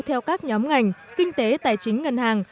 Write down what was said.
theo các nhóm ngành kinh tế tài chính ngân hàng